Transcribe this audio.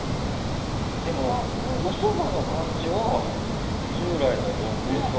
でも、おそばの感じは従来のどん兵衛と。